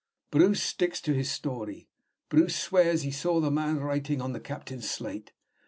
Bruce sticks to his story; Bruce swears he saw the man writing on the captain's slate.